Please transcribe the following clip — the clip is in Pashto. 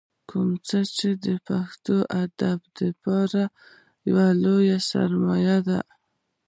کوم چې پښتو ادب دپاره يوه لويه سرمايه ده ۔